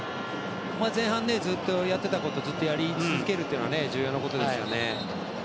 前半、ずっとやっていたことをずっとやりつづけることも重要なことですよね。